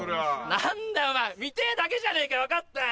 何だよお前見てぇだけじゃねえか分かったよ！